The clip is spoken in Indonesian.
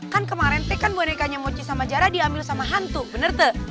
kan kemarin teh kan bonekanya moci sama jarah diambil sama hantu bener teh